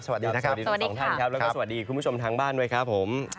สวัสดีนะครับสวัสดีครับสวัสดีคุณผู้ชมทางบ้านด้วยครับผม